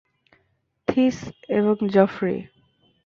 This এবং Joffrey.